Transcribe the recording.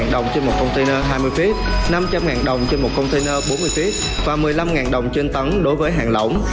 năm trăm linh đồng trên một container bốn mươi feet và một mươi năm đồng trên tấn đối với hàng lỏng